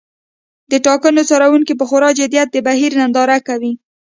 د ټاکنو څارونکي په خورا جدیت د بهیر ننداره کوي.